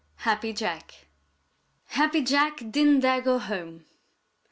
Happy Jack. Happy Jack didn't dare go home.